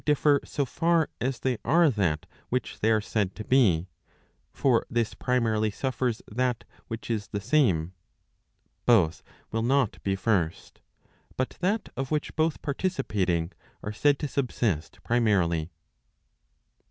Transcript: differ so far as they are that which they are said to be; for this primarily suffers that which is the same; both will not be first, but that of which both participating, are said to subsist primarily.